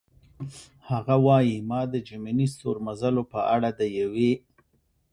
هغه وايي: "ما د جیمیني ستورمزلو په اړه د یوې.